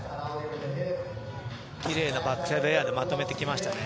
きれいなバックサイドエアでまとめてきましたね。